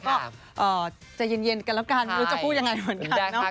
ก็ใจเย็นกันแล้วกันไม่รู้จะพูดยังไงเหมือนกันเนาะ